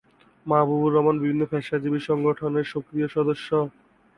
মাহবুবুর রহমান বিভিন্ন পেশাজীবী সংগঠনের সক্রিয় সদস্য।